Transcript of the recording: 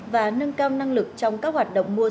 và nâng cao năng lực trong các hoạt động